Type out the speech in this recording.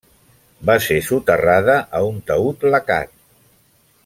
Va ser soterrada a un taüt lacat.